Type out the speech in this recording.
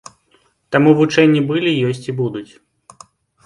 Таму вучэнні былі, ёсць і будуць.